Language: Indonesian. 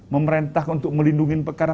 memerintah untuk melindungi pekara